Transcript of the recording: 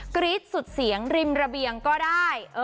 กรี๊ดสุดเสียงริมระเบียงก็ได้